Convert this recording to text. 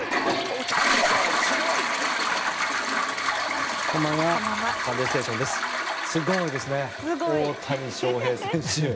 大谷翔平選手。